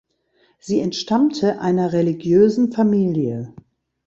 Sie entstammte einer religiösen Familie.